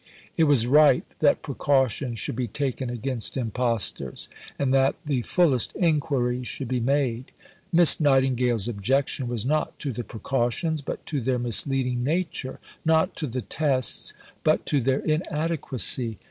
It was right that precautions should be taken against impostors, and that the fullest inquiries should be made. Miss Nightingale's objection was not to the precautions, but to their misleading nature; not to the tests, but to their inadequacy.